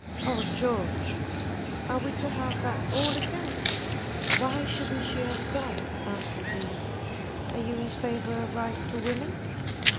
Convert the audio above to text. "Oh George, are we to have that all again?" "Why shouldn't she have gone?" asked the Dean. "Are you in favour of rights of women?"